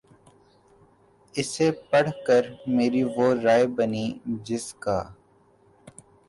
اسے پڑھ کر میری وہ رائے بنی جس کا